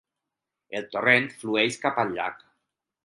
El torrent flueix cap al llac.